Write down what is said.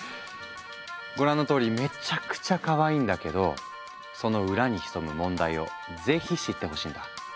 ご覧のとおりめちゃくちゃかわいいんだけどその裏に潜む問題を是非知ってほしいんだ。